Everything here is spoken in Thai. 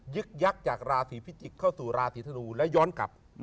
ึกยักษ์จากราศีพิจิกษ์เข้าสู่ราศีธนูและย้อนกลับ